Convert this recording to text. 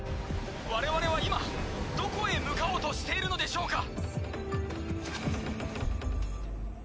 我々は今どこへ向かおうとしているのでしょうか！